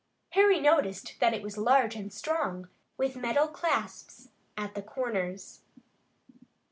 Harry noticed that it was large and strong, with metal clasps at the corners.